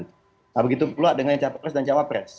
nah begitu pula dengan cawa pres dan cawa pres